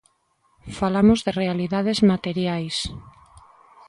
Falamos de realidades materiais.